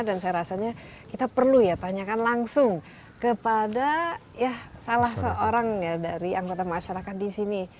dan saya rasanya kita perlu ya tanyakan langsung kepada salah seorang ya dari anggota masyarakat di sini